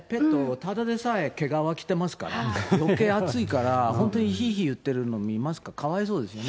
ただでさえ毛皮着ていますから、よけい暑いから、本当にひーひーいってるの見ますから、かわいそうですよね。